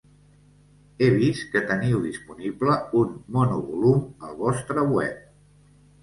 He vist que teniu disponible un monovolum al vostre web.